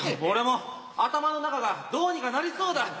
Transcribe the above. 俺も頭の中がどうにかなりそうだ。